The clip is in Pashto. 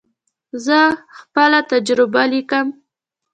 زه خپله تجربه لیکم.